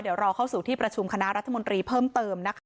เดี๋ยวรอเข้าสู่ที่ประชุมคณะรัฐมนตรีเพิ่มเติมนะคะ